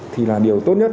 thì là điều tốt nhất